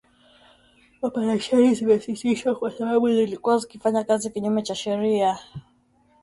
Operesheni zimesitishwa kwa sababu zilikuwa zikifanya kazi kinyume cha sheria